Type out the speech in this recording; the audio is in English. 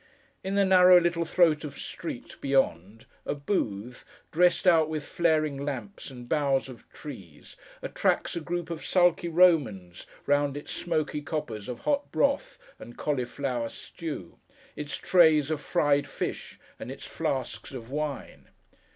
In the narrow little throat of street, beyond, a booth, dressed out with flaring lamps, and boughs of trees, attracts a group of sulky Romans round its smoky coppers of hot broth, and cauliflower stew; its trays of fried fish, and its flasks of wine.